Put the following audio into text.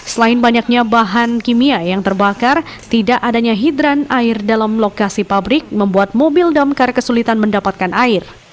selain banyaknya bahan kimia yang terbakar tidak adanya hidran air dalam lokasi pabrik membuat mobil damkar kesulitan mendapatkan air